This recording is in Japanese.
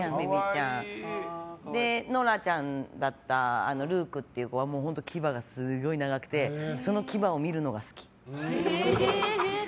野良ちゃんだったらルークっていう子はもう本当、牙がすごく長くてその牙を見るのが好き。